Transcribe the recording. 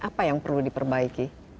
apa yang perlu diperbaiki